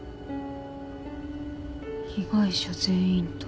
被害者全員と。